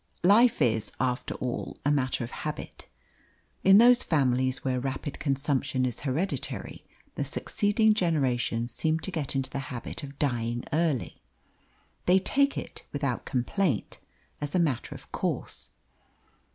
Life is, after all, a matter of habit. In those families where rapid consumption is hereditary, the succeeding generations seem to get into the habit of dying early. They take it, without complaint, as a matter of course.